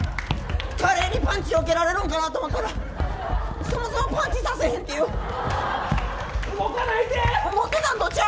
華麗にパンチよけれるんかなと思ったらそもそもパンチさせへんっていう。